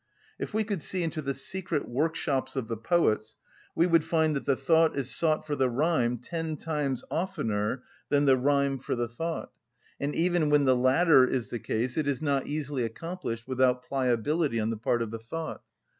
If we could see into the secret workshops of the poets, we would find that the thought is sought for the rhyme ten times oftener than the rhyme for the thought; and even when the latter is the case, it is not easily accomplished without pliability on the part of the thought.